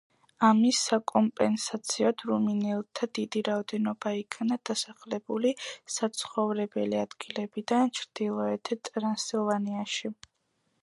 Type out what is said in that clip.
ამის საკომპენსაციოდ რუმინელთა დიდი რაოდენობა იქნა გასახლებული საცხოვრებელი ადგილებიდან ჩრდილოეთ ტრანსილვანიაში.